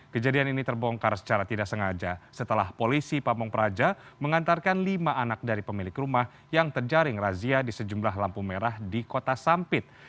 kejadian ini terbongkar secara tidak sengaja setelah polisi pamung praja mengantarkan lima anak dari pemilik rumah yang terjaring razia di sejumlah lampu merah di kota sampit